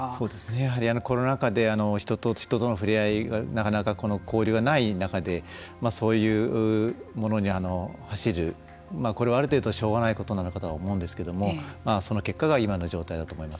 やはりコロナ禍で人と人との触れ合いがなかなか交流がない中でそういうものに走るこれはある程度しょうがないことなのかと思うんですけれどもその結果が今の状態だと思います。